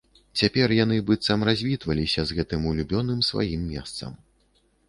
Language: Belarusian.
Цяпер яны быццам развітваліся з гэтым улюбёным сваім месцам.